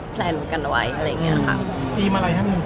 แพลนกันเอาไว้อะไรอย่างนี้ค่ะ